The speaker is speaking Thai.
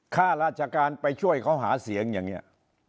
ข้าราชการไปช่วยเขาหาเสียงอย่างนี้